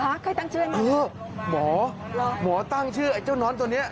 ฮะใครตั้งชื่ออย่างนี้โรงพยาบาลโรงพยาบาลหมอหมอตั้งชื่อไอ้เจ้าน้อนตัวเนี่ย